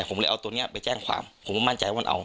ผมเลยเอาตัวนี้ไปแจ้งความผมก็มั่นใจว่ามันเอา